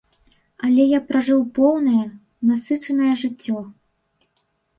Але я пражыў поўнае, насычанае жыццё.